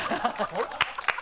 あれ？